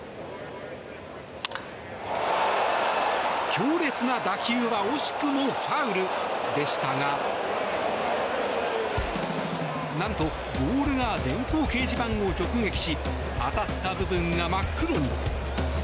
強烈な打球は惜しくもファールでしたが何とボールが電光掲示板を直撃し当たった部分が真っ黒に。